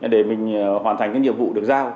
để mình hoàn thành những nhiệm vụ được giao